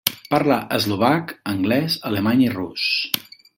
Parla eslovac, anglès, alemany i rus.